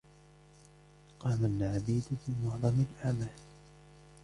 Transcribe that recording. قام العبيد بمعظم الأعمال.